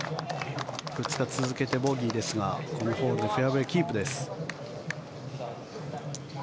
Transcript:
２日続けてボギーですがこのホールでフェアウェーキープです。